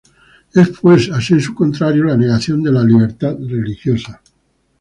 Es pues, a "sensu contrario", la negación de la libertad religiosa.